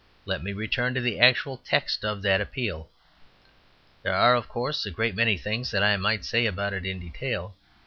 Let me return to the actual text of that appeal. There are, of course, a great many things that I might say about it in detail.